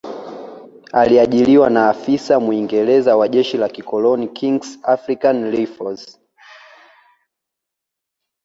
Aliajiriwa na afisa Mwingereza wa jeshi la kikoloni Kings African Rifles